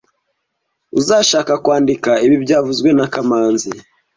Uzashaka kwandika ibi byavuzwe na kamanzi